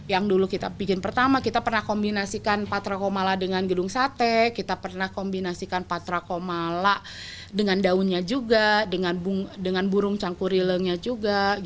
yang dulu kita bikin pertama kita pernah kombinasikan patra komala dengan gedung sate kita pernah kombinasikan patra komala dengan daunnya juga dengan burung cangkurilengnya juga